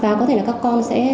và có thể là các con sẽ